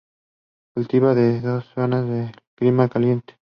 Cultivada se da en otras zonas de clima caliente.